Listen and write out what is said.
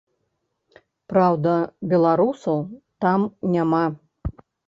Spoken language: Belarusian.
Праўда, беларусаў там няма.